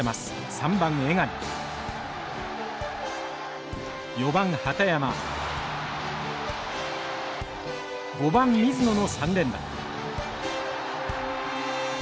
３番江上４番畠山５番水野の３連打。